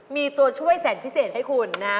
มีตัวช่วยแสนพิเศษให้คุณนะ